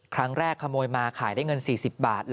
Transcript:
ครั้งแรกขโมยมาขายได้เงิน๔๐บาท